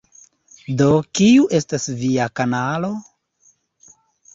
Do kiu estas via kanalo?